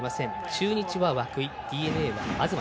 中日は涌井ＤｅＮＡは東。